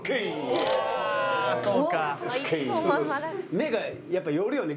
目がやっぱ寄るよね